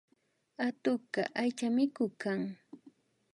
Atukka aychamikuk kan